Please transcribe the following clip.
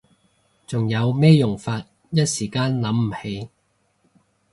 仲有咩用法？一時間諗唔起